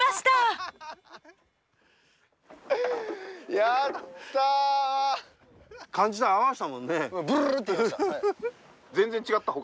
やった！